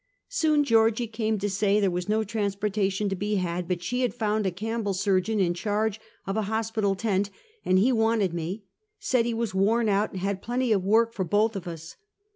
Soon Georgie came to say there was no transporta tion to be had, but she had found a Campbell surgeon in charge of a hospital tent, and he wanted me; said he was worn out, and had plenty of work for both of us.